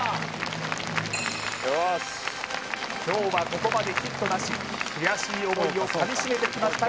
よーし今日はここまでヒットなし悔しい思いをかみしめてきました